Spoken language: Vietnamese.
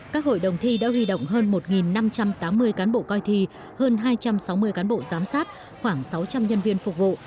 các hội đồng thi đã huy động hơn một năm trăm tám mươi cán bộ coi thi hơn hai trăm sáu mươi cán bộ giám sát khoảng sáu trăm linh nhân viên phục vụ